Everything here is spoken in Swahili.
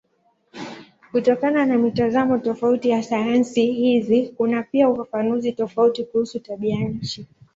Kutokana na mitazamo tofauti ya sayansi hizi kuna pia ufafanuzi tofauti kuhusu tabianchi.